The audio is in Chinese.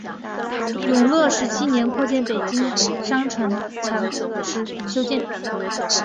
永乐十七年扩建北京南城墙时修建。